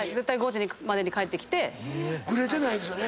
グレてないですよね